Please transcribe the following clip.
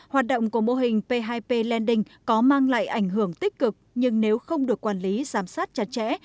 hoạt động của mô hình p hai p lending có mang lại ảnh hưởng tích cực nhưng nếu không được quản lý giám sát chặt chẽ